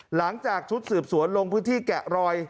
หลังจากชุดสืบสวนลงพื้นที่แกะรอย